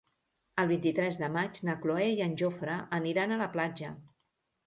El vint-i-tres de maig na Cloè i en Jofre aniran a la platja.